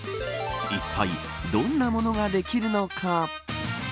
いったいどんなものができるのか。